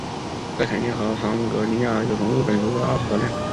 在肯尼亚和坦桑尼亚有从日本出口的二手车辆。